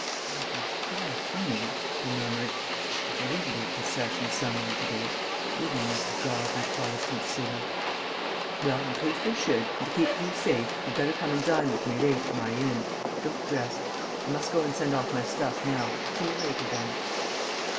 "It'd be a queer thing," he murmured, "if there wouldn't be a procession somewhere to day, even in this godly Protestant city...." "Well, in case there should, and to keep you safe, you'd better come and dine with me at eight at my inn. Don't dress. I must go and send off my stuff now. See you later, then."